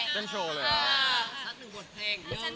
สักหนึ่งบทเพลง